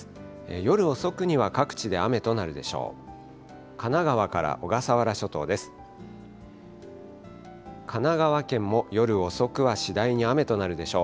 夜遅くには各地で雨となるでしょう。